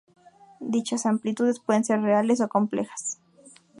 Dichas amplitudes pueden ser reales o complejas.